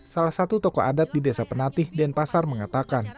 salah satu tokoh adat di desa penatih denpasar mengatakan